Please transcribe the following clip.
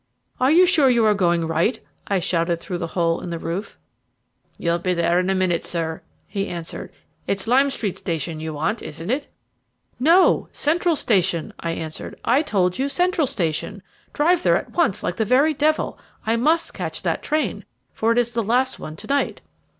"Are you sure you are going right?" I shouted through the hole in the roof. "You'll be there in a minute, sir," he answered. "It's Lime Street Station you want, isn't it?" "No; Central Station," I answered. "I told you Central Station; drive there at once like the very devil. I must catch that train, for it is the last one to night."